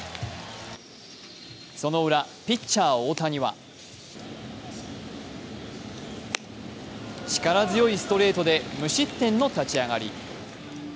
そのウラピッチャー・大谷は力強いストレートで無失点の立ち上がり。